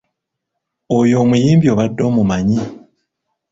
Oyo omuyimbi obadde omumanyi?